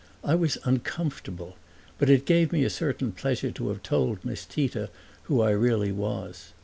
I was uncomfortable, but it gave me a certain pleasure to have told Miss Tita who I really was.